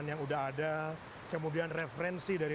nah ini adalah sebenarnya rugas cuma ini